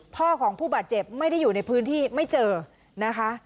พ่อของผู้บาดเจ็บไม่ได้อยู่ในพื้นที่ไม่เจอนะคะ